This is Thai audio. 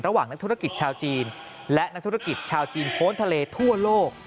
ระหว่างนักธุรกิจชาวจีนและนักธุรกิจชาวจีนโค้นทะเลทั่วโลก